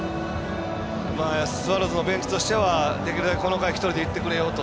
スワローズのベンチとしてはできるだけこの回は１人でいってくれよと。